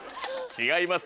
違います